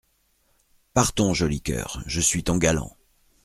Partons, joli coeur, je suis ton galant.